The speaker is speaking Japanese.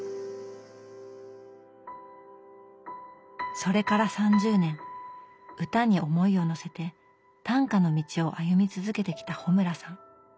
それから３０年歌に思いをのせて短歌の道を歩み続けてきた穂村さん。